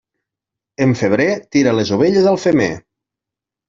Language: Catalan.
En febrer, tira les ovelles al femer.